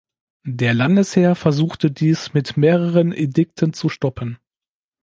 Der Landesherr versuchte dies mit mehreren Edikten zu stoppen.